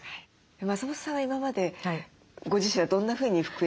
松本さんは今までご自身はどんなふうに服選びをされてきましたか？